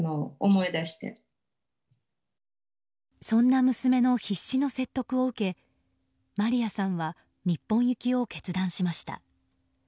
そんな娘の必死の説得を受けマリアさんは日本行きを決断しました。